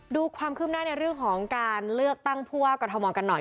ดูความคืบหน้าในเรื่องของการเลือกตั้งผู้ว่ากรทมกันหน่อย